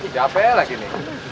capek lagi ini